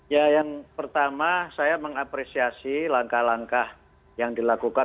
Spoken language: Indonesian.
ya yang pertama saya mengapresiasi langkah langkah yang dilakukan